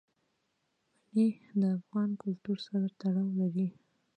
منی د افغان کلتور سره تړاو لري.